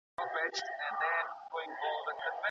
ايا اسلام د انسانانو پيرل او پلورل منع کړي دي؟